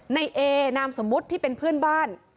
ในเอนามสมมุติที่เป็นเพื่อนบ้าน